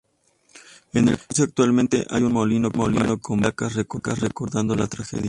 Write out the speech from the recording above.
En el cruce actualmente hay un monolito con varias placas recordando la tragedia.